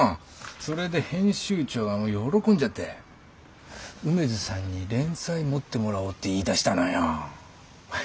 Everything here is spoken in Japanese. それで編集長がもう喜んじゃって梅津さんに連載持ってもらおうって言いだしたのよ。